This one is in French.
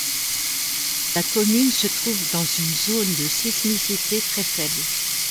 La commune se trouve dans une zone de sismicité très faible.